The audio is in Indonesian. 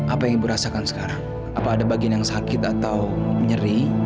apa yang ibu rasakan sekarang apa ada bagian yang sakit atau nyeri